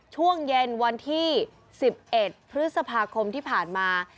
ช่วงเย็นวันที่๑๑พฤษภาคมที่ผ่านมา